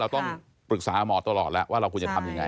ต้องปรึกษาหมอตลอดแล้วว่าเราควรจะทำยังไง